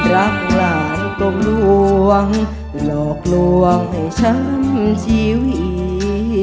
รักหลานกลมร่วงหลอกลวงให้ฉันชิ้วอี